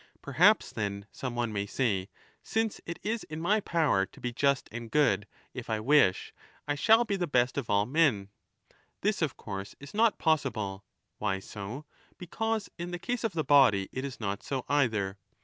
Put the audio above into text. Perhaps, then, some one may say, ' Since it is in my 20 power to be just and good, if I wish I shall be the best of ii87^ MAGNA MORALIA all men'. This, of course, is not possible. Why so? Because in the case of the body it is not so either.